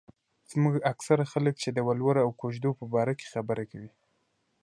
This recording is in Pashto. زموږ اکثره خلک چې د ولور او کوژدو په باره کې خبره کوي.